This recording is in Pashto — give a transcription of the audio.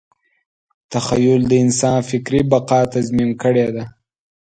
تخیل د انسان فکري بقا تضمین کړې ده.